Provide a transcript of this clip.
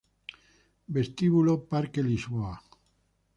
Vestíbulo Parque Lisboa